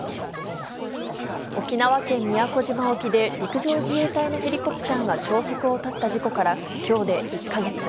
沖縄県宮古島沖で、陸上自衛隊のヘリコプターが消息を絶った事故から、きょうで１か月。